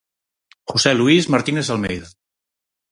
José Luís Martínez Almeida.